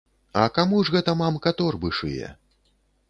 А каму ж гэта мамка торбы шые?